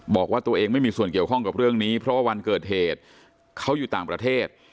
บอกว่าตัวเองไม่มีส่วนเกี่ยวข้องกับเรื่องนี้เพราะว่าวันเกิดเหตุเขาอยู่ต่างประเทศ